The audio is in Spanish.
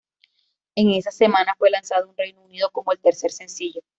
En esa semana, fue lanzado en Reino Unido como el tercer sencillo.